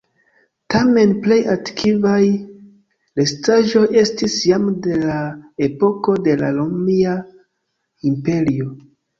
Tamen plej antikvaj restaĵoj estis jam de la epoko de la Romia Imperio.